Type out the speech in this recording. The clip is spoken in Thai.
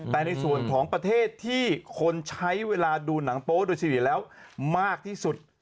แต่ในส่วนของประเทศที่คนใช้เวลาดูหนังโป๊โดยเฉลี่ยแล้วมากที่สุด